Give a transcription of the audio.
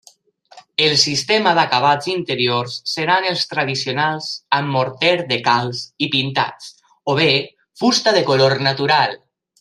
El sistema d'acabats interiors seran els tradicionals amb morter de calç i pintats, o bé fusta de color natural.